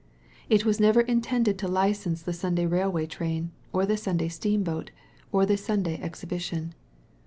It was never intended to license the Sunday railway train, or the Sunday steamboat, or the Sunday exhibition.